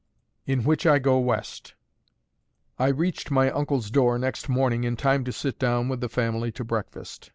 IN WHICH I GO WEST. I reached my uncle's door next morning in time to sit down with the family to breakfast.